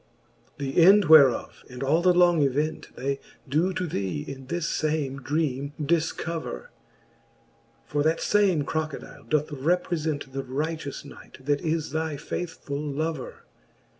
XXII. The end whereof, and all the long event. They doe to thee in this fame dreame dilcover. For that fame Crocodile doth reprefent The righteous knight, that is thy faithfull lover.